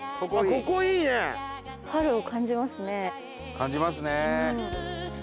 感じますね。